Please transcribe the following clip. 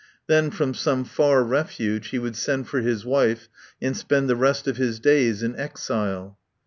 Then from some far refuge he would send for his wife and spend the rest of his days in exile.